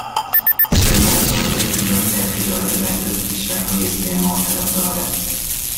سیرالئون سابقهای طولانی در تجارت برده به کشورهای استعمار طلب دارد